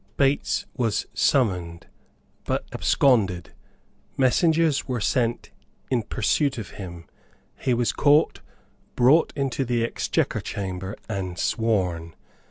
Bates was summoned, but absconded; messengers were sent in pursuit of him; he was caught, brought into the Exchequer Chamber and sworn.